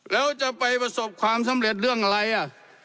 แล้วจะไปประสบความสำเร็จเรื่องอะไรอ่ะ